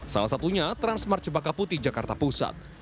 salah satunya transmart cepaka putih jakarta pusat